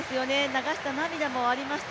流した涙もありました。